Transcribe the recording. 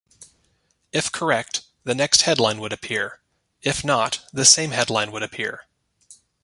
If correct, the next headline would appear; if not, the same headline would appear.